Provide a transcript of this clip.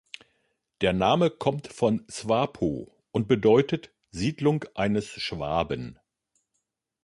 Der Name kommt von "Swapo" und bedeutet "Siedlung eines Schwaben".